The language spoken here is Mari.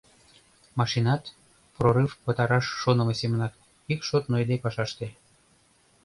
Машинат, прорыв пытараш шонымо семынак, ик шот нойыде пашаште.